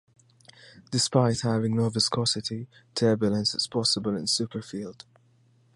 Despite having no viscosity, turbulence is possible in a superfluid.